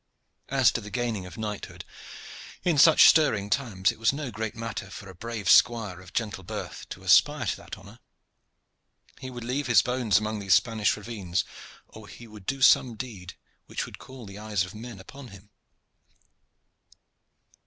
As to the gaining of knighthood, in such stirring times it was no great matter for a brave squire of gentle birth to aspire to that honor. He would leave his bones among these Spanish ravines, or he would do some deed which would call the eyes of men upon him.